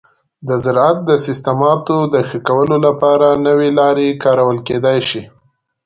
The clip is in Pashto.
د زراعت د سیستماتو د ښه کولو لپاره نوي لارې کارول کیدی شي.